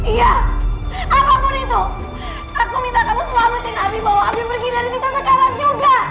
iya apapun itu aku minta kamu selamatin ari bahwa api pergi dari kita sekarang juga